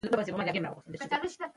ارزښت یوازیتوب کموي.